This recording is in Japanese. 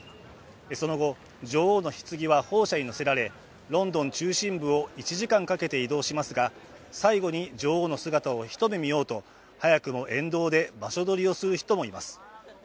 その後、女王のひつぎは砲車に載せられ、ロンドン中心部を１時間かけて移動しますが、最後に女王の姿を一目見ようと早くも沿道で場所取りをする人がいます。